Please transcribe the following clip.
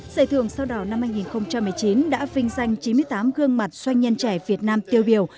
giải thưởng sao đỏ năm hai nghìn một mươi chín đã vinh danh chín mươi tám gương mặt doanh nhân trẻ việt nam tiêu biểu